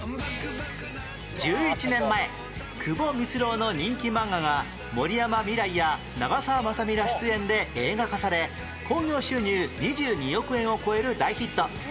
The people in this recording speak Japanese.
１１年前久保ミツロウの人気漫画が森山未來や長澤まさみら出演で映画化され興行収入２２億円を超える大ヒット